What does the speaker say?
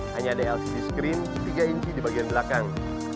hanya ada lcc screen tiga inci di bagian belakang